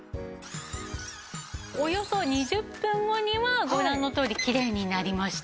およそ２０分後にはご覧のとおりきれいになりました。